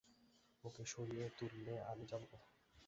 ওকে সরিয়ে তুললে আমি যাব কোথায়?